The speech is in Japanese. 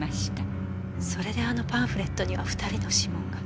それであのパンフレットには２人の指紋が。